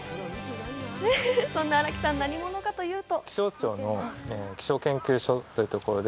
そんな荒木さん、何者かというと。